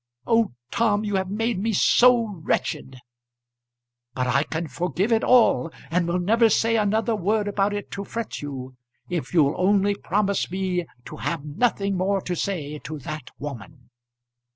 Oh, Tom, you have made me so wretched! But I can forgive it all, and will never say another word about it to fret you, if you'll only promise me to have nothing more to say to that woman.